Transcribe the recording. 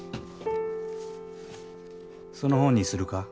その本にするか？